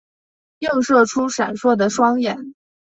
映射出闪烁的双眼